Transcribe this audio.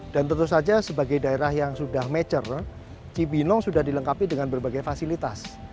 dan tentu saja sebagai daerah yang sudah mecer cibenong sudah dilengkapi dengan berbagai fasilitas